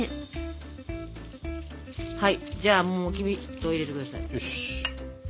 はいじゃあもうきび糖入れてください。